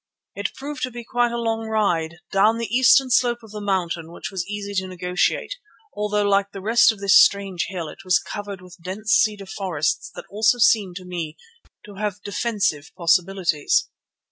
It proved to be quite a long ride, down the eastern slope of the mountain which was easy to negotiate, although like the rest of this strange hill it was covered with dense cedar forests that also seemed to me to have defensive possibilities.